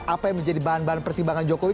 apa yang menjadi bahan bahan pertimbangan jokowi